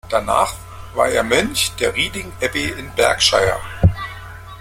Danach war er Mönch der Reading Abbey in Berkshire.